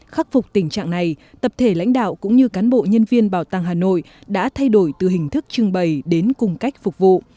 khắc phục tình trạng này tập thể lãnh đạo cũng như cán bộ nhân viên bảo tàng hà nội đã thay đổi từ hình thức trưng bày đến cùng cách phục vụ